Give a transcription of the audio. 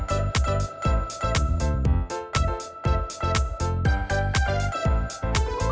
gak mungkin kita bisa dateng keistlesdessus bro